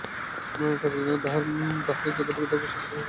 কাজের জন্য তাহাকে যতটুকু দরকার সেইটুকু সারিয়াই সে চলিয়া যাইত।